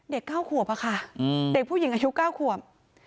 เด็กก้าวขวบอะค่ะเด็กผู้หญิงอายุก้าวขวบ